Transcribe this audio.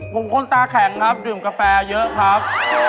ผมคนตาแข็งครับดื่มกาแฟเยอะครับ